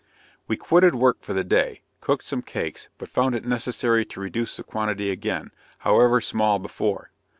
We quitted work for the day, cooked some cakes but found it necessary to reduce the quantity again, however small before.